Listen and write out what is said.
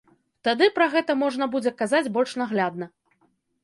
Тады пра гэта можна будзе казаць больш наглядна.